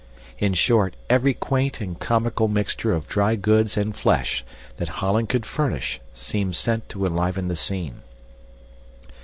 In short, every quaint and comical mixture of dry goods and flesh that Holland could furnish seemed sent to enliven the scene.